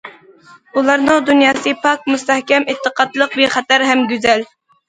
ئۇلارنىڭ دۇنياسى پاك، مۇستەھكەم، ئېتىقادلىق، بىخەتەر ھەم گۈزەل.